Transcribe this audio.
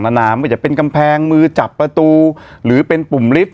นานาไม่จะเป็นกำแพงมือจับประตูหรือเป็นปุ่มลิฟต